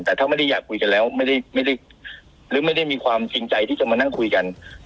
แต่ถ้าไม่ได้อยากคุยกันแล้วไม่ได้หรือไม่ได้มีความจริงใจที่จะมานั่งคุยกัน